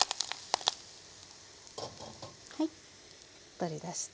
取り出して。